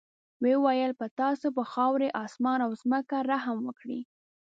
ویل یې په تاسې به خاورې، اسمان او ځمکه رحم وکړي.